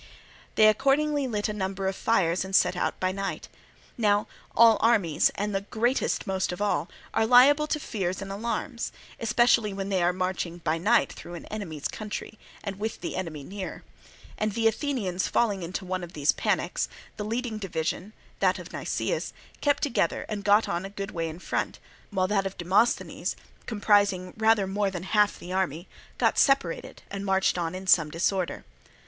They accordingly lit a number of fires and set out by night. Now all armies, and the greatest most of all, are liable to fears and alarms, especially when they are marching by night through an enemy's country and with the enemy near; and the Athenians falling into one of these panics, the leading division, that of Nicias, kept together and got on a good way in front, while that of Demosthenes, comprising rather more than half the army, got separated and marched on in some disorder.